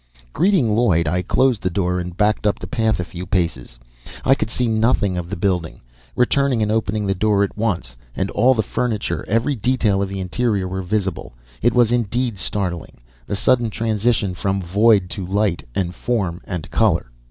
Greeting Lloyd, I closed the door and backed up the path a few paces. I could see nothing of the building. Returning and opening the door, at once all the furniture and every detail of the interior were visible. It was indeed startling, the sudden transition from void to light and form and color.